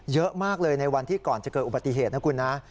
เยอะมากเลยในวันที่ก่อนจะเกิดอุบัติเหตุนะคุณนะ